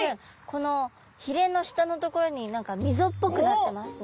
このひれの下の所に何か溝っぽくなってますね。